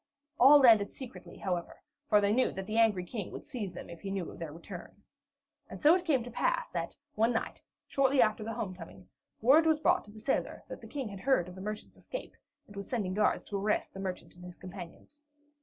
All landed secretly, however, for they knew that the angry King would seize them if he knew of their return. And so it came to pass that, one night, shortly after the homecoming, word was brought to the sailor that the King had heard of the merchant's escape and was sending guards to arrest the merchant and his companions.